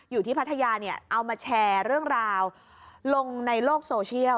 อยู่ที่พัทยาเอามาแชร์เรื่องราวลงในโลกโซเชียล